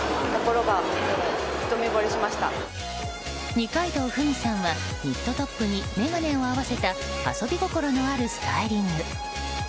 二階堂ふみさんはニットトップに眼鏡を合わせた遊び心のあるスタイリング。